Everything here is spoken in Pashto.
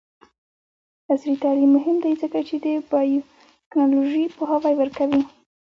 عصري تعلیم مهم دی ځکه چې د بایوټیکنالوژي پوهاوی ورکوي.